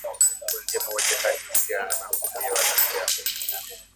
kuanzia mauaji hadi uhusiano na makundi ya wanamgambo